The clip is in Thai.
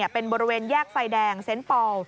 เป็นบริเวณแยกไฟแดงเซนต์ปอล